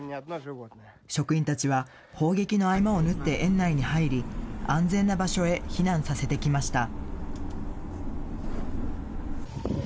職員たちは砲撃の合間を縫って園内に入り、安全な場所へ避難させてきました。